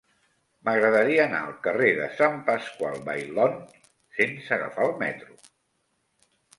M'agradaria anar al carrer de Sant Pasqual Bailón sense agafar el metro.